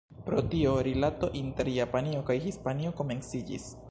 Pro tio, rilato inter Japanio kaj Hispanio komenciĝis.